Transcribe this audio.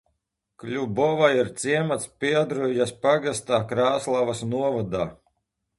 Kuļbova ir ciems Piedrujas pagastā, Krāslavas novadā.